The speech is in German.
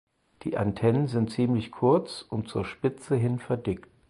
Die Antennen sind ziemlich kurz und zur Spitze hin verdickt.